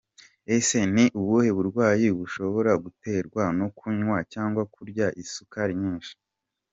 Ese ni ubuhe burwayi bushobora guterwa no kunywa cyangwa kurya isukari nyinshi.